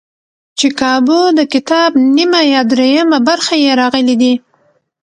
چې کابو دکتاب نیمه یا درېیمه برخه یې راغلي دي.